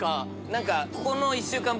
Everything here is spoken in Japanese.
何か。